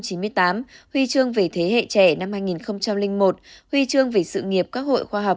huy chương về thế hệ trẻ năm hai nghìn một huy chương về sự nghiệp các hội khoa học